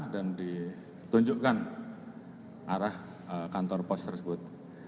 dan ditunjukkan arah kantor pos tersebut